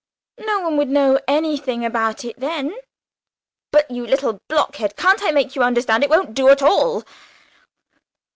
"No one would know anything about it then." "But, you little blockhead, can't I make you understand? It wouldn't do at all.